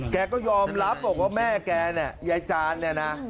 แกก็ยอมรับบอกว่าแม่แกเนี่ยยายจานเนี่ยนะ